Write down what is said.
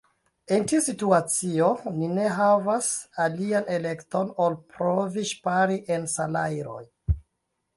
En tiu situacio ni ne havas alian elekton ol provi ŝpari en salajroj.